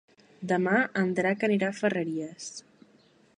Demà en Drac anirà a Ferreries.